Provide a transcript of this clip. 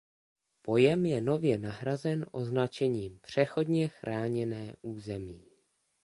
Pojem je nově nahrazen označením Přechodně chráněné území.